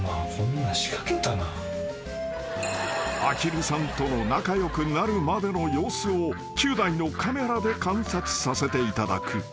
［アヒルさんとの仲良くなるまでの様子を９台のカメラで観察させていただく］